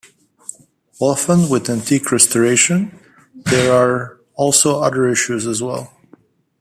Often with antique restoration, there are also other issues as well.